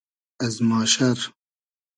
از ماشئر